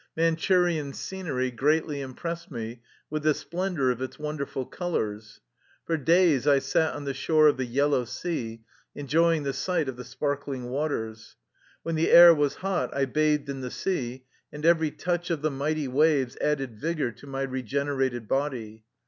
Manchurian scenery greatly im pressed me with the splendor of its wonderful colors. For days I sat on the shore of the Yel low Sea enjoying the sight of the sparkling wa ters. When the air was hot I bathed in the sea, and every touch of the mighty waves added vigor to my regenerated body.